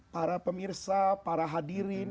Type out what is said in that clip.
para pemirsa para hadirin